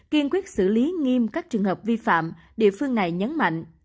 kiên quyết xử lý nghiêm các trường hợp vi phạm địa phương này nhấn mạnh